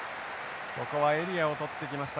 ここはエリアを取ってきました。